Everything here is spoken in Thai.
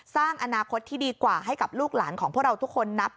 สร้างอนาคตที่ดีกว่าให้กับลูกหลานของพวกเราทุกคนนับ